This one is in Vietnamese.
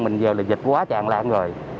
bây giờ là dịch quá tràn lan rồi